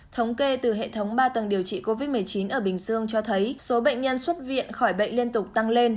thống kê từ hệ thống ba tầng điều trị covid một mươi chín ở bình dương cho thấy số bệnh nhân xuất viện khỏi bệnh liên tục tăng lên